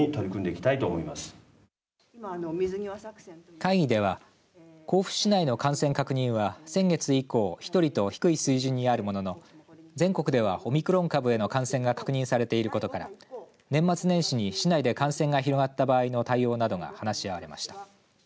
会議では甲府市内の感染確認は先月以降、１人と低い水準にあるものの全国ではオミクロン株への感染が確認されていることから年末年始に市内で感染が広がった場合の対応などが話し合われました。